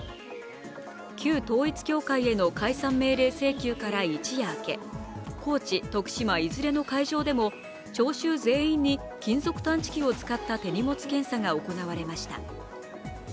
旧統一教会への解散命令請求から一夜明け、高知、徳島いずれの会場でも聴衆全員に金属探知機を使った手荷物検査が行われました。